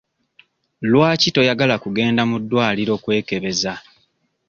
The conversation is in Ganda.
Lwaki toyagala kugenda mu ddwaliro kwekebeza?